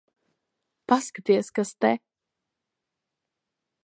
Paskaties, kas te...